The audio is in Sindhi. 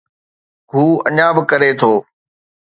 هو اڃا به ڪري ٿو.